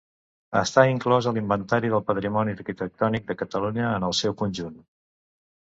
Està inclòs a l'Inventari del Patrimoni Arquitectònic de Catalunya en el seu conjunt.